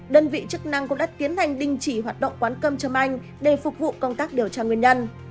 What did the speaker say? đơn vị chức năng cũng đã tiến hành đình chỉ hoạt động quán cơm châm anh để phục vụ công tác điều tra nguyên nhân